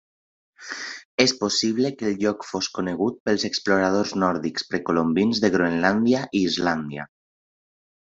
És possible que el lloc fos conegut pels exploradors nòrdics precolombins de Groenlàndia i Islàndia.